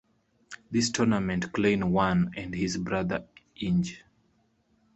This tournament Klein won and his brother Eng.